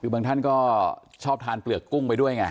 คือบางท่านก็ชอบทานเปลือกกุ้งไปด้วยไง